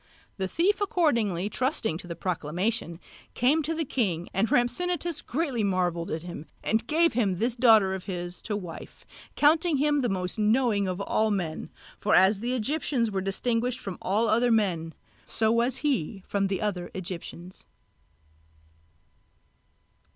The thief accordingly trusting to the proclamation came to the king, and Rhampsinitos greatly marvelled at him, and gave him this daughter of his to wife, counting him to be the most knowing of all men; for as the Egyptians were distinguished from all other men, so was he from the other Egyptians.